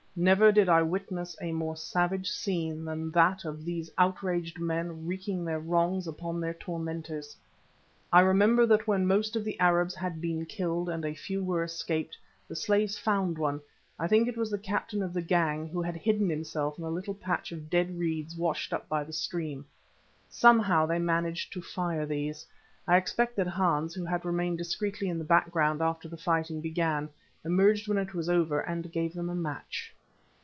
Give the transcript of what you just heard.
Never did I witness a more savage scene than that of these outraged men wreaking their wrongs upon their tormentors. I remember that when most of the Arabs had been killed and a few were escaped, the slaves found one, I think it was the captain of the gang, who had hidden himself in a little patch of dead reeds washed up by the stream. Somehow they managed to fire these; I expect that Hans, who had remained discreetly in the background after the fighting began, emerged when it was over and gave them a match.